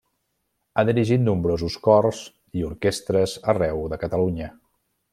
Ha dirigit nombrosos cors i orquestres arreu de Catalunya.